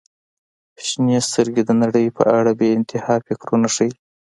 • شنې سترګې د نړۍ په اړه بې انتها فکرونه ښیي.